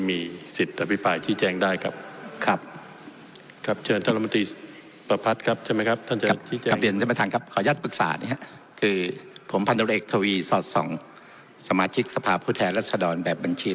มีสิทธิ์อภิปรายชี้แจงได้ครับครับ